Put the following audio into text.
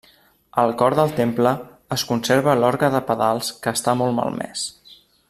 Al cor del temple es conserva l'orgue de pedals que està molt malmès.